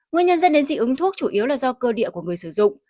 nguyên nhân dẫn đến dị ứng thuốc chủ yếu là do cơ địa của người sử dụng